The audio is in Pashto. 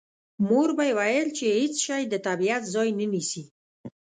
مور به یې ویل چې هېڅ شی د طبیعت ځای نه نیسي